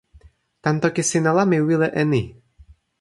tan toki sina la, mi wile e ni: